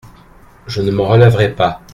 Je ne m'en relèverais pas.